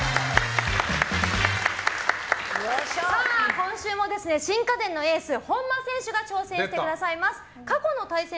今週も新家電のエース本間選手が挑戦してくださいます。